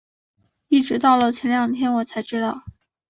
一直到了前两天我才知道